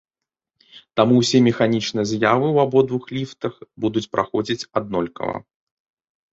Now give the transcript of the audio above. Таму ўсе механічныя з'явы ў абодвух ліфтах будуць праходзіць аднолькава.